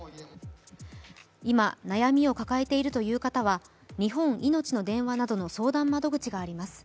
今、悩みを抱えているという方は日本いのちの電話などの相談窓口があります。